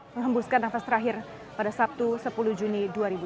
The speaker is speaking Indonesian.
menghembuskan nafas terakhir pada sabtu sepuluh juni dua ribu dua puluh